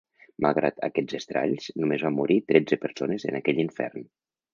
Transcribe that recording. Malgrat aquests estralls, només van morir tretze persones en aquell infern.